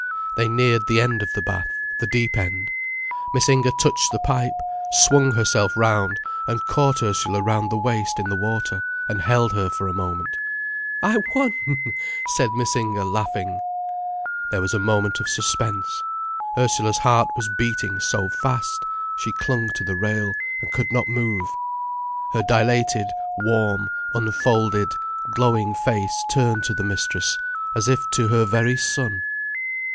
They neared the end of the bath, the deep end. Miss Inger touched the pipe, swung herself round, and caught Ursula round the waist in the water, and held her for a moment. "I won," said Miss Inger, laughing. There was a moment of suspense. Ursula's heart was beating so fast, she clung to the rail, and could not move. Her dilated, warm, unfolded, glowing face turned to the mistress, as if to her very sun.